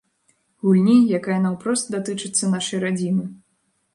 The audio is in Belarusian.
Гульні, якая наўпрост датычыцца нашай радзімы.